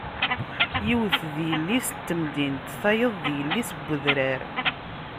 Yiwet d yelli-s n temdint, tayeḍ d yelli-s n wedrar.